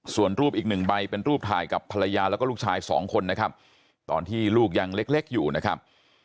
ส่วนรูปอีกหนึ่งใบเป็นรูปถ่ายกับภรรยาแล้วก็ลูกชายสองคนนะครับตอนที่ลูกยังเล็กอยู่นะครับ